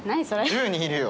１０人いるよ。